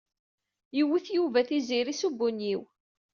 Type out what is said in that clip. Yewwet Yuba Tiziri s ubunyiw.